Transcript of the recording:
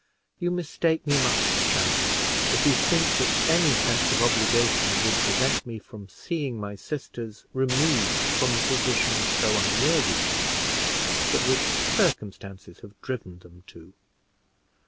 You mistake me much, Chaloner, if you think that any sense of obligation would prevent me from seeing my sisters removed from a position so unworthy of them, but which circumstances have driven them to.